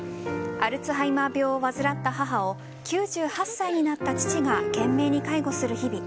アルツハイマー病を患った母を９８歳になった父が懸命に介護する日々。